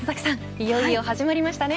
いよいよ始まりましたね。